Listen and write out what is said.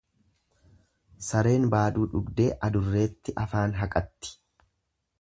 Sareen baaduu dhugdee adureetti afaan haqatti.